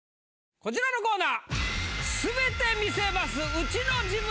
こちらのコーナー！